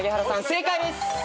正解です。